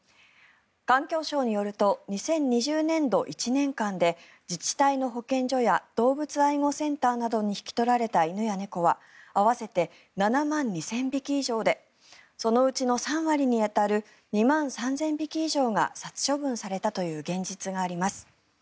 環境省によると２０２０年度１年間で自治体の保健所や動物愛護センターなどに引き取られた犬や猫は合わせて７万２０００匹以上でそのうちの３割に当たる２万３０００匹以上が殺処分されたという現実があります。